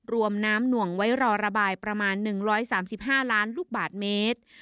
รวมน้ำหน่วงไว้รอระบายประมาณ๑๓๕ล้านลูกบาทเมตร